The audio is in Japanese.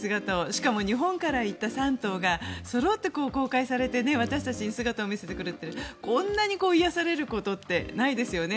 しかも日本から行った３頭がそろって公開されて私たちに姿を見せてくれるってこんなに癒やされることってないですよね。